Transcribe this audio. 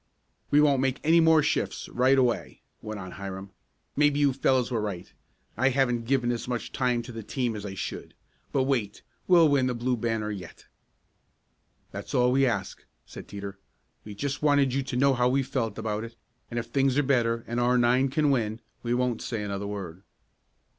"We won't make any more shifts right away," went on Hiram. "Maybe you fellows were right. I haven't given as much time to the team as I should. But wait we'll win the Blue Banner yet." "That's all we ask," said Teeter. "We just wanted you to know how we felt about it, and if things are better and our nine can win, we won't say another word."